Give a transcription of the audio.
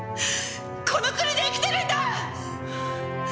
この国で生きてるんだ！